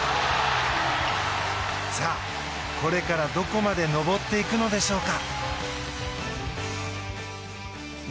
さあ、これからどこまで登っていくのでしょうか。